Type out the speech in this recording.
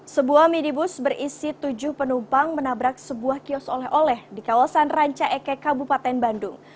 sebuah minibus berisi tujuh penumpang menabrak sebuah kios oleh oleh di kawasan ranca ekek kabupaten bandung